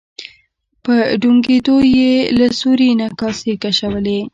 په ډونګیدو یې له سوري نه کاسې کشولې.